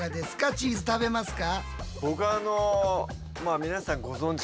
チーズ食べますか？